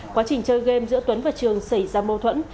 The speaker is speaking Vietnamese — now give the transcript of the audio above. quá trình chơi game giữa tuấn và trường xảy ra mâu thuẫn